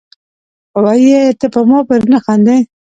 وې ئې " تۀ پۀ ما پورې نۀ خاندې،